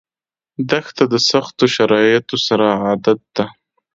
دښته د سختو شرایطو سره عادت ده.